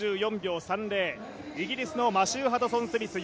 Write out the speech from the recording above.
４４秒３０、イギリスのマシュー・ハドソン・スミス